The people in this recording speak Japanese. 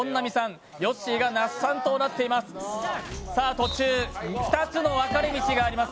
途中２つの分かれ道があります。